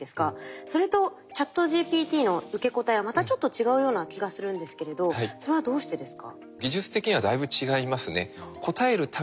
それとＣｈａｔＧＰＴの受け答えはまたちょっと違うような気がするんですけれどそれはどうしてですか？